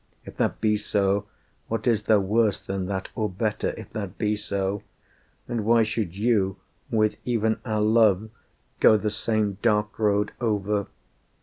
If that be so, what is there worse than that Or better if that be so? And why should you, With even our love, go the same dark road over?"